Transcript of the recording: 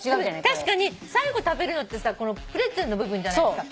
確かに最後食べるのってこのプレッツェルの部分じゃないですか。